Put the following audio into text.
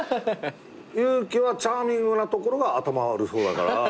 友貴はチャーミングなところが頭悪そうだから。